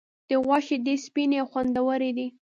د غوا شیدې سپینې او خوندورې دي.